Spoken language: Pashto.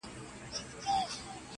رقیبانو په پېغور ډېر په عذاب کړم!.